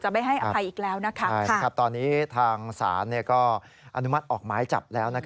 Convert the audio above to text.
ไม่ให้อภัยอีกแล้วนะคะตอนนี้ทางศาลก็อนุมัติออกหมายจับแล้ว